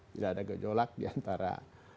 tidak ada gejolak di antara sebagian dari masyarakat